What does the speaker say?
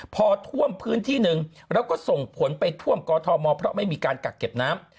พอท่วมพื้นที่หนึ่งแล้วก็ส่งผลไปท่วมกอทมเพราะไม่มีการกักเก็บน้ำ